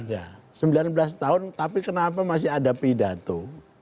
ya sembilan belas tahun tapi kenapa masih ada pidato